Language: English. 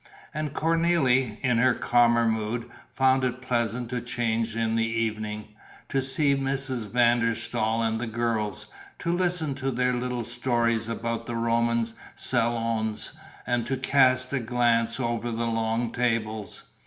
And Cornélie, in her calmer mood, found it pleasant to change in the evening, to see Mrs. van der Staal and the girls, to listen to their little stories about the Roman salons and to cast a glance over the long tables.